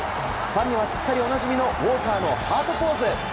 ファンにはすっかりおなじみのウォーカーのハートポーズ。